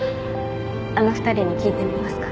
あの２人に聞いてみますか。